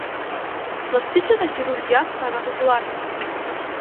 Пластичната хирургија стана попопуларна.